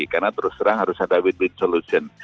karena terus terang harus ada win win solution